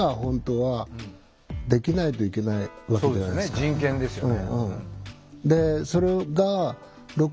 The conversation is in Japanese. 人権ですよね。